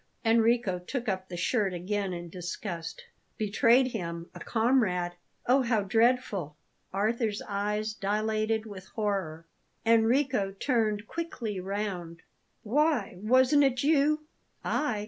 Enrico took up the shirt again in disgust. "Betrayed him? A comrade? Oh, how dreadful!" Arthur's eyes dilated with horror. Enrico turned quickly round. "Why, wasn't it you?" "I?